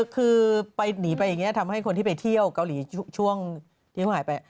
คือไปหนีไปอย่างนี้ทำให้คนที่ไปเที่ยวเกาหลีช่วงที่เขาหายไป